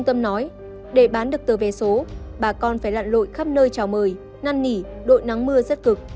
tâm nói để bán được tờ vé số bà con phải lặn lội khắp nơi trào mời năn nỉ đội nắng mưa rất cực